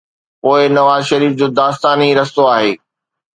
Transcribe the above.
پوءِ نواز شريف جو داستان ئي رستو آهي.